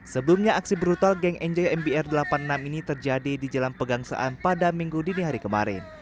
sebelumnya aksi brutal geng enjoy mbr delapan puluh enam ini terjadi di jalan pegangsaan pada minggu dini hari kemarin